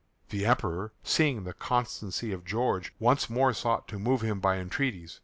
The Emperor, seeing the constancy of George, once more sought to move him by entreaties.